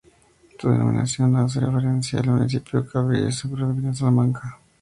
Su denominación hace referencia al municipio de Cabrillas, provincia de Salamanca.